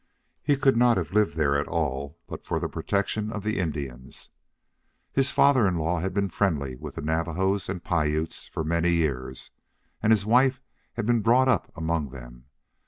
He could not have lived there at all but for the protection of the Indians. His father in law had been friendly with the Navajos and Piutes for many years, and his wife had been brought up among them.